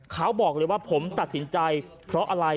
เขาบอกเลยว่าผมตัดสินใจเพราะอะไร